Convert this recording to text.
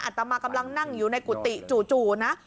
ตมากำลังนั่งอยู่ในกุฏิจู่นะ